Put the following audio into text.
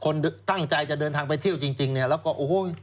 คนตั้งใจจะเดินทางไปเที่ยวจริงและโอ้โฮ